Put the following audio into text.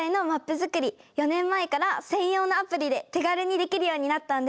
４年前から専用のアプリで手軽にできるようになったんです。